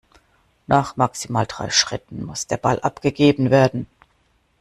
Nach maximal drei Schritten muss der Ball abgegeben werden.